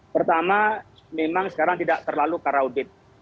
pertama memang sekarang tidak terlalu karaudit